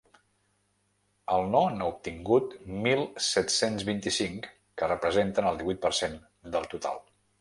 El no n’ha obtingut mil set-cents vint-i-cinc, que representen el divuit per cent del total.